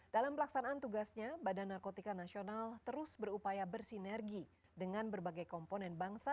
dalam pelaksanaan tugasnya bnn terus berupaya bersinergi dengan berbagai komponen bangsa